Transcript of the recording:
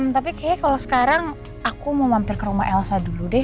tapi kayaknya kalau sekarang aku mau mampir ke rumah elsa dulu deh